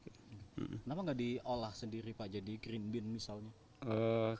kenapa nggak diolah sendiri pak jadi green bean misalnya